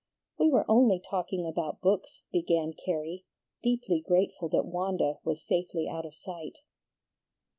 "We were only talking about books," began Carrie, deeply grateful that Wanda was safely out of sight.